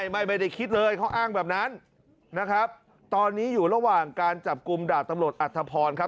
ไม่ไม่ได้คิดเลยเขาอ้างแบบนั้นตอนนี้อยู่ระหว่างการจับกุมดาบตำรวจอัตภพร